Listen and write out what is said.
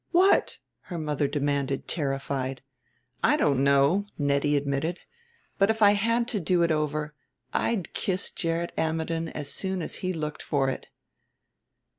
"What?" her mother demanded, terrified. "I don't know," Nettie admitted. "But if I had it to do over I'd kiss Gerrit Ammidon as soon as he looked for it."